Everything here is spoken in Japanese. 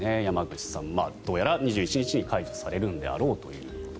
山口さん、どうやら２１日に解除されるのであろうと。